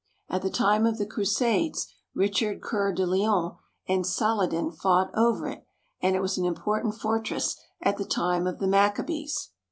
At the time of the Crusades Richard Cceur de Lion and Saladin fought over it, and it was an important fortress at the time of the Maccabees.